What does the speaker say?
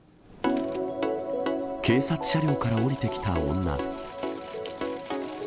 警察車両から降りてきた女。